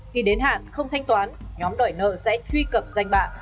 khi đến hạn không thanh toán nhóm đòi nợ sẽ truy cập danh bạ